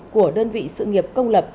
của đơn vị sự nghiệp công lập